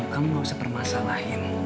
kamu nggak usah permasalahin